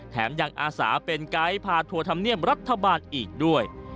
แถมยังอาสาเป็นไกด์พาทัวร์ธรรมเนียมรัฐบาลอีกด้วย